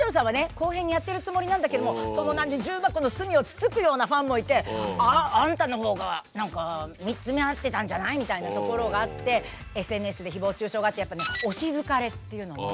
公平にやってるつもりなんだけども重箱の隅をつつくようなファンもいて「あんたのほうが何か見つめ合ってたんじゃない？」みたいなところがあってＳＮＳで誹謗中傷があって「推し疲れ」っていうのも出てきたり。